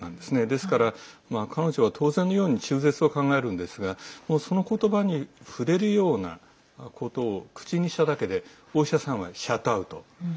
ですから、彼女は当然のように中絶を考えるんですがその言葉に触れるようなことを口にしただけでお医者さんはシャットアウト。